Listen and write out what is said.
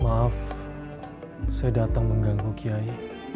maaf saya datang mengganggu kiai